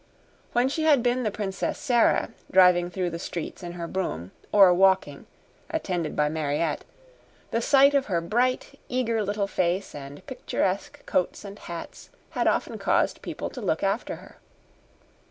When she had been the Princess Sara, driving through the streets in her brougham, or walking, attended by Mariette, the sight of her bright, eager little face and picturesque coats and hats had often caused people to look after her.